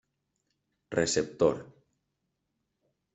Receptor: